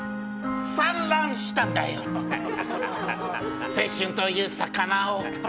産卵したんだよ、青春という魚を。